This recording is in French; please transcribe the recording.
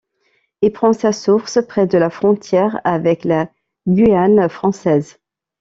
Il prend sa source près de la frontière avec la Guyane française.